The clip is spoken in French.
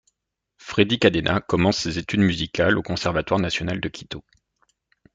Freddy Cadena commence ses études musicales au Conservatoire National de Quito.